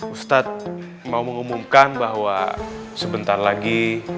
ustadz mau mengumumkan bahwa sebentar lagi